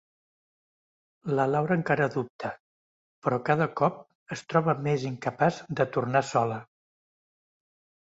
La Laura encara dubta, però cada cop es troba més incapaç de tornar sola.